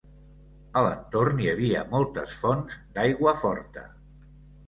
A l'entorn hi havia moltes fonts d'aigua forta.